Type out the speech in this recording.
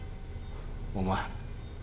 お前。